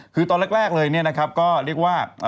คือตอนแรกเลยเนี่ยนะครับก็เรียกว่า